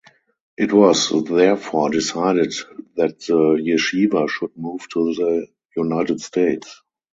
It was therefore decided that the yeshiva should move to the United States.